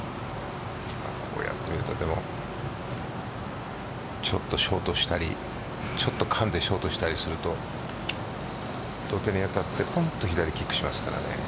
こうやってみるとちょっとショートしたりちょっとかんでショートしたりすると土手に当たってぽんと左にキックしますからね。